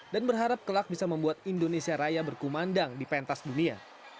dan berharap kelak bisa membuat indonesia raya berkumandang di pentas dunia